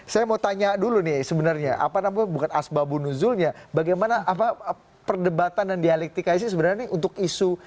saya mau tanya dulu nih sebenarnya apa namanya bukan asbabunuzulnya bagaimana perdebatan dan dialektika ini sebenarnya untuk isu